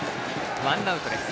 ワンアウトです。